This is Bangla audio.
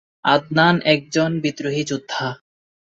আদনান একজন বিদ্রোহী যোদ্ধা।